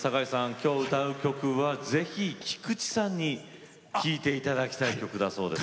今日歌う曲はぜひ菊池さんに聴いていただきたい１曲だそうですね。